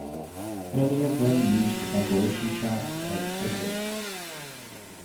Many of them used the ventilation shafts as exits.